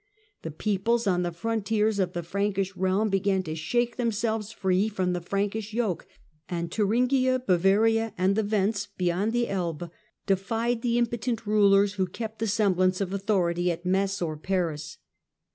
The peoples on the frontiers of the Frankish realm began to shake themselves free from the Frankish yoke, and Thuringia, Bavaria and the Wends beyond the Elbe defied the im potent rulers who kept the semblance of authority at Metz or Paris.